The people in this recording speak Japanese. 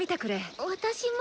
私も。